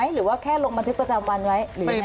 หรือว่าแค่ลงบันทึกประจำวันไว้หรือยังไง